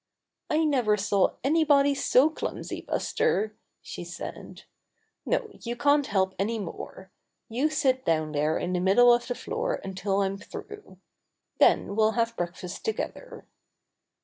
never saw anybody so clumsy, Buster," she said. "No, you can't help any more. You sit down there in the middle of the floor until I'm through. Then we'll have breakfast to gether."